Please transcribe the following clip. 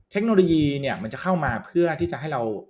เทคโนโลยีเนี่ยมันจะเข้ามาเพื่อที่จะให้เรา